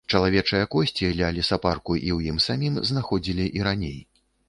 Чалавечыя косці ля лесапарку і ў ім самім знаходзілі і раней.